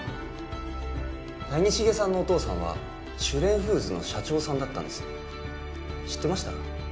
谷繁さんのお父さんは朱蓮フーズの社長だったんです知ってました？